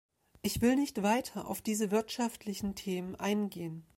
Ich will nicht weiter auf die wirtschaftlichen Themen eingehen.